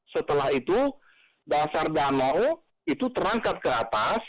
setelah itu dasar danau itu terangkat ke atas